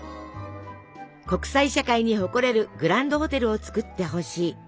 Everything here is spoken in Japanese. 「国際社会に誇れるグランドホテルをつくってほしい」。